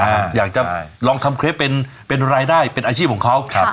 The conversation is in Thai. อยากจะลองทำเคล็ปเป็นเป็นรายได้เป็นอาชีพของเขาครับ